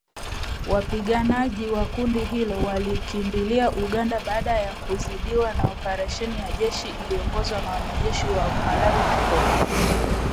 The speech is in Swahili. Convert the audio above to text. Wapiganaji wa kundi hilo walikimbilia Uganda baada ya kuzidiwa na oparesheni ya kijeshi iliyoongozwa na wanajeshi wa Malawi na Kongo